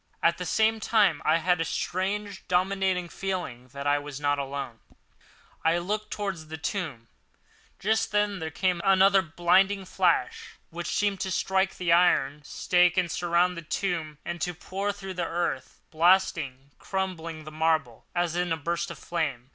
At the same time I had a strange, dominating feeling that I was not alone. I looked towards the tomb. Just then there came another blinding flash, which seemed to strike the iron stake that surmounted the tomb and to pour through to the earth, blasting and crumbling the marble, as in a burst of flame.